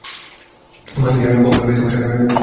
বাংলাদেশের গঙ্গা বৃহত্তম শাখার নাম পদ্মা নদী।